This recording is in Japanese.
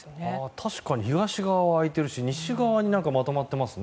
確かに、東側は空いてるし西側にまとまっていますね。